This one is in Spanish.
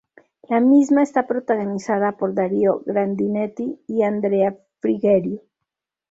La misma está protagonizada por Darío Grandinetti y Andrea Frigerio.